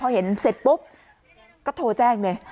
พอเห็นเสร็จปุ๊บก็โทรแจ้งเลย